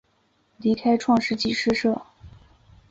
离开创世纪诗社。